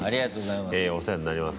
ええ、お世話になります。